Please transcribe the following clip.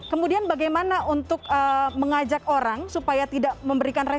kemudian bagaimana untuk mengajak orang supaya tidak memberikan